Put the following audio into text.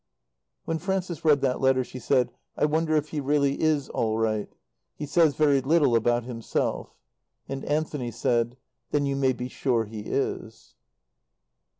When Frances read that letter she said, "I wonder if he really is all right. He says very little about himself." And Anthony said, "Then you may be sure he is."